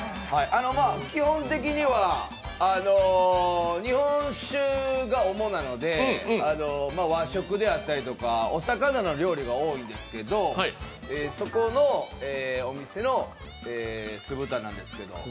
基本的には、日本酒が主なので和食であったりとか、お魚の料理が多いんですけど、そこのお店の酢豚なんですけど。